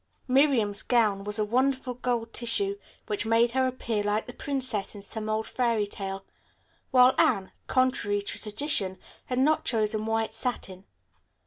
Miriam's gown was a wonderful gold tissue, which made her appear like the princess in some old fairy tale, while Anne, contrary to tradition, had not chosen white satin.